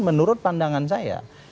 menurut pandangan saya